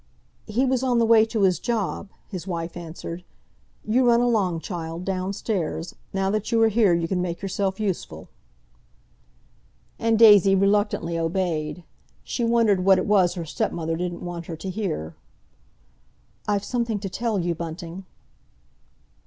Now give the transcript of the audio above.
"He was on the way to his job," his wife answered. "You run along, child, downstairs. Now that you are here you can make yourself useful." And Daisy reluctantly obeyed. She wondered what it was her stepmother didn't want her to hear. "I've something to tell you, Bunting."